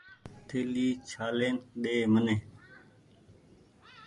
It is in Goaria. ٿهلي ڇهآلين ۮي مني